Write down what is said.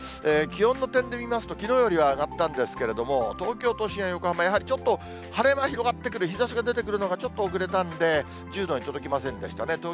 気温の点で見ますと、きのうよりは上がったんですけれども、東京都心や横浜は、やはりちょっと晴れ間広がってくる、日ざし出てくるのがちょっと遅れたんで、１０度に届きませんでしたね。